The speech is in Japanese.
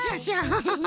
ハハハ！